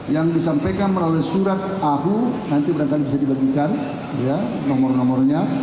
yang disampaikan melalui surat ahu nanti berangkat bisa dibagikan nomor nomornya